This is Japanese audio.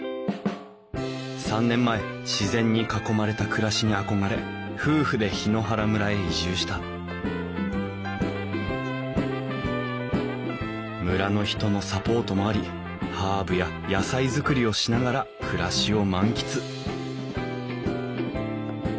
３年前自然に囲まれた暮らしに憧れ夫婦で檜原村へ移住した村の人のサポートもありハーブや野菜作りをしながら暮らしを満喫